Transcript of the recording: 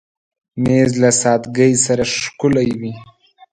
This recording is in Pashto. مېز له سادګۍ سره ښکلی وي.